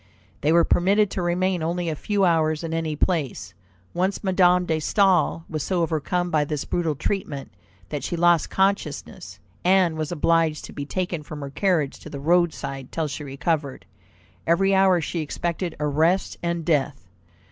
They were permitted to remain only a few hours in any place. Once Madame de Staël was so overcome by this brutal treatment that she lost consciousness, and was obliged to be taken from her carriage to the roadside till she recovered. Every hour she expected arrest and death.